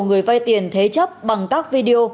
người vai tiền thế chấp bằng các video